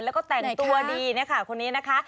แล้วก็แต่งตัวดีคนนี้นะคะ